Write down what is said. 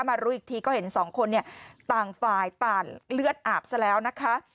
มารู้อีกทีก็เห็นสองคนเนี่ยต่างฝ่ายต่างเลือดอาบซะแล้วนะคะ